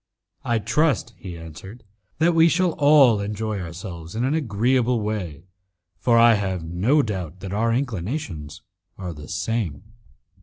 "I trust," he answered, "that we shall enjoy ourselves in an agreeable way, for I have no doubt that our inclinations are the same."